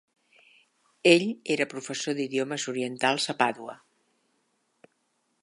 Ell era professor d"idiomes orientals a Padua.